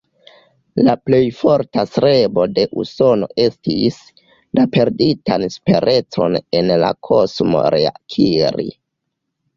La plej forta strebo de Usono estis, la perditan superecon en la kosmo reakiri.